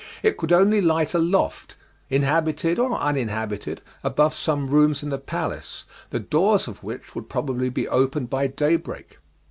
It could only light a loft, inhabited or uninhabited, above some rooms in the palace, the doors of which would probably be opened by day break.